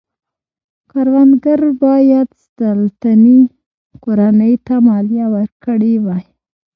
کروندګرو باید سلطنتي کورنۍ ته مالیه ورکړې وای.